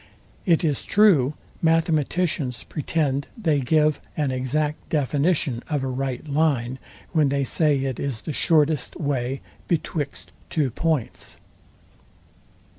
It is true, mathematicians pretend they give an exact definition of a right line, when they say, it is the shortest way betwixt two points.